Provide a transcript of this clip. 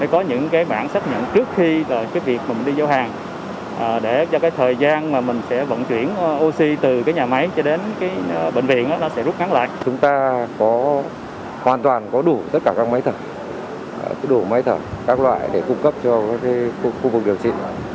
chúng ta hoàn toàn có đủ tất cả các máy thở đủ máy thở các loại để cung cấp cho các khu vực điều trị